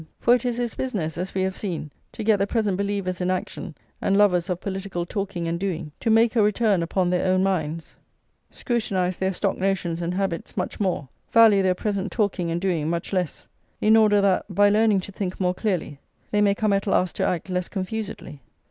For it is his business, as we have seen, to get the present believers in action, and lovers of political talking and doing, to make a return upon their own minds, scrutinise their stock notions and habits much more, value their present talking and doing much less; in order that, by learning to think more clearly, they may come at last to act less confusedly.